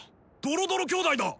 ドロドロ兄弟だ！